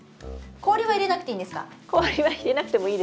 氷は入れなくてもいいですよ。